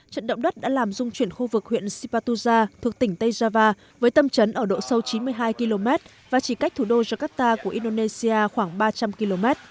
trận động đất đã làm dung chuyển khu vực huyện sipatuza thuộc tỉnh tây java với tâm trấn ở độ sâu chín mươi hai km và chỉ cách thủ đô jakarta của indonesia khoảng ba trăm linh km